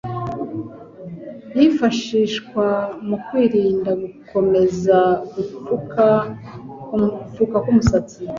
yifashishwa mu kwirinda gukomeza gupfuka k'umusatsi